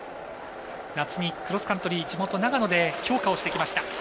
夏にクロスカントリー地元・長野で強化をしてきました。